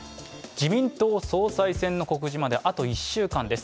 自民党総裁選の告示まであと１週間です。